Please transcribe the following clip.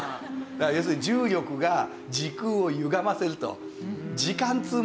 だから要するに重力が時空をゆがませると。